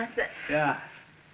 やあ。